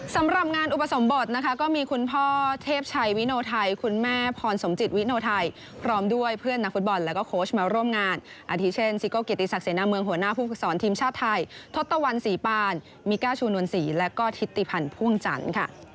สำหรับงานอุปสมบทนะคะก็มีคุณพ่อเทพชัยวิโนไทยคุณแม่พรสมจิตวิโนไทยพร้อมด้วยเพื่อนนักฟุตบอลแล้วก็โค้ชมาร่วมงานอาทิเช่นซิโก้เกียรติศักดิเสนาเมืองหัวหน้าผู้ฝึกสอนทีมชาติไทยทศตวรรณศรีปานมิก้าชูนวลศรีและก็ทิศติพันธ์พ่วงจันทร์ค่ะ